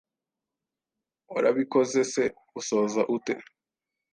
warabikoze se Usoza ute